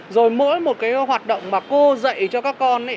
rồi mỗi một cái hoạt động mà cô dạy cho các con